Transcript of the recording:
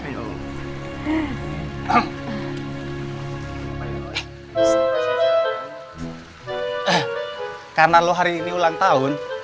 eh karena lo hari ini ulang tahun